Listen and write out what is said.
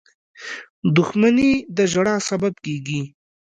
• دښمني د ژړا سبب کېږي.